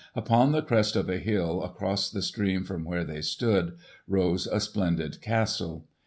Upon the crest of a hill, across the stream from where they stood, rose a splendid castle.